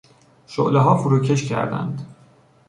شعلهها فروکش کردند.